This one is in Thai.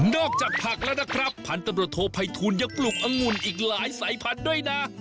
นอกจากผักแล้วนะครับพันธบรโทษภัยทูลยังปลูกองุ่นอีกหลายสายผันด้วยนะ